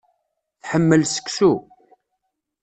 Tḥemmel seksu.